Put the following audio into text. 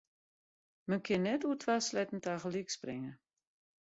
Men kin net oer twa sleatten tagelyk springe.